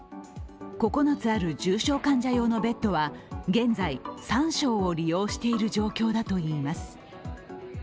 ９つある重症患者用のベッドは現在３床を利用している状況だといいます。